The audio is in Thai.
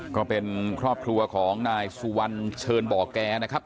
ก็เป็นครอบครัวของนายสุวรรณเชิญบ่อแก่นะครับ